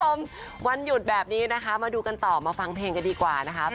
วันหยุดแบบนี้นะคะมาดูกันต่อมาฟังเพลงกันดีกว่านะคะ